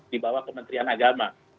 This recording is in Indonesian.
di bawah kementerian agama